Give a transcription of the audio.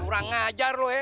kurang ngajar lo ya